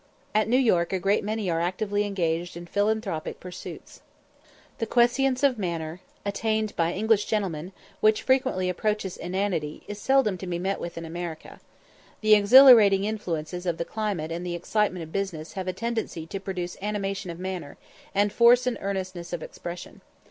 At New York a great many are actively engaged in philanthropic pursuits. The quiescence of manner attained by English gentlemen, which frequently approaches inanity, is seldom to be met with in America. The exhilarating influences of the climate and the excitement of business have a tendency to produce animation of manner, and force and earnestness of expression.